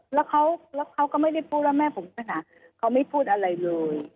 แล้วเขาแล้วเขาก็ไม่ได้พูดแล้วแม่ผมค่ะเขาไม่พูดอะไรเลย